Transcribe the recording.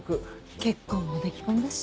結婚もデキ婚だし。